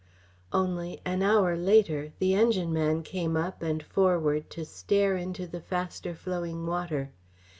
Only, an hour later, the engineman came up and forward to stare into the faster flowing water.